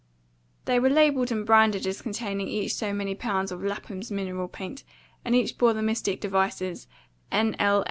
They were labelled and branded as containing each so many pounds of Lapham's Mineral Paint, and each bore the mystic devices, N.L.